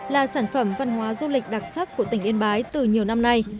là sản phẩm văn hóa du lịch đặc sắc của tỉnh yên bái từ nhiều năm nay